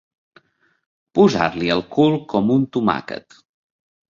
Posar-li el cul com un tomàquet.